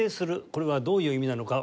これはどういう意味なのか。